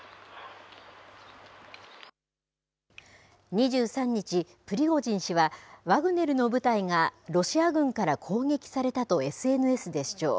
２３日、プリゴジン氏は、ワグネルの部隊がロシア軍から攻撃されたとＳＮＳで主張。